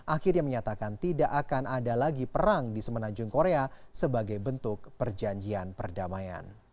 akhirnya menyatakan tidak akan ada lagi perang di semenanjung korea sebagai bentuk perjanjian perdamaian